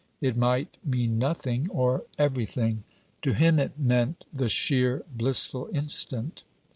It might mean nothing, or everything: to him it meant the sheer blissful instant.